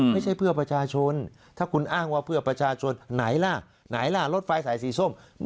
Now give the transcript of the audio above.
ไม่ใช่เพื่อประชาชนถ้าคุณอ้างว่าเพื่อประชาชนไหนล่ะไหนล่ะรถไฟสายสีส้ม